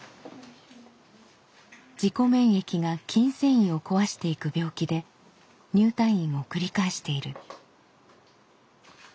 自己免疫が筋繊維を壊していく病気で入退院を繰り返している。